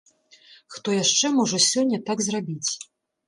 Хто яшчэ можа сёння так зрабіць?